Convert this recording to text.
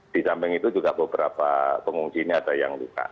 di samping itu juga beberapa pengungsi ini ada yang luka